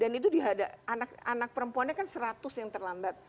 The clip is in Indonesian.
dan itu dihadapan anak perempuannya kan seratus yang terlambat